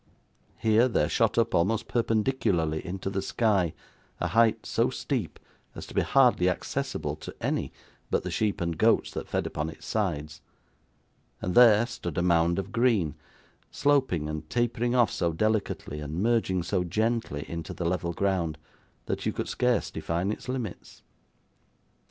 Here, there shot up, almost perpendicularly, into the sky, a height so steep, as to be hardly accessible to any but the sheep and goats that fed upon its sides, and there, stood a mound of green, sloping and tapering off so delicately, and merging so gently into the level ground, that you could scarce define its limits.